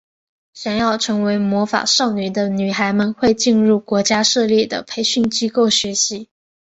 想要成为魔法少女的女孩们会进入国家设立的培训机构学习。